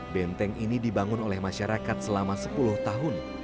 benteng ini dibangun oleh masyarakat selama sepuluh tahun